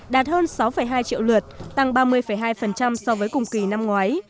là sáu hai triệu lượt tăng ba mươi hai so với cùng kỳ năm ngoái